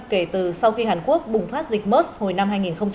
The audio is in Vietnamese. kể từ sau khi hàn quốc bùng phát dịch mers hồi năm hai nghìn một mươi năm